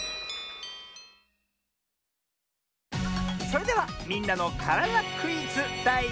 それでは「みんなのからだクイズ」だい３もん！